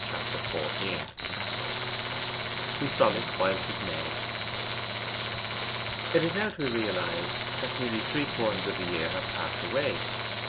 Chapter XIV 'We frolic while 'tis May.' It has now to be realized that nearly three quarters of a year have passed away.